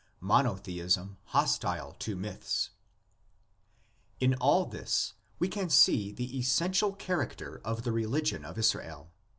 MONOTHEISM HOSTILE TO MYTHS. In all this we can see the essential character of the religion of Israel.